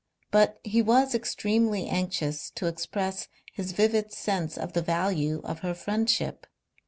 But he was extremely anxious to express his vivid sense of the value of her friendship.